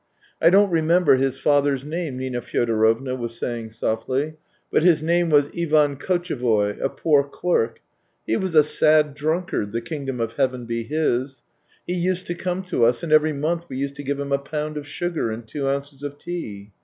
" I don't remember his father's name," Nina Fyodorovna was saying softly, "but his name was Ivan Kotchevoy — a poor clerk. He was a sad drunkard, the Kingdom of Heaven be his ! He THREE YEARS 241 used to come to us, and every month we used to give him a pound of sugar and two ounces of tea.